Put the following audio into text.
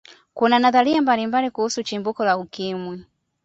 kuna nadharia mbalimbali kuhusu chimbuko la ukimwi